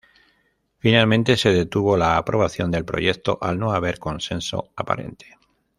Finalmente, se detuvo la aprobación del proyecto al no haber consenso aparente.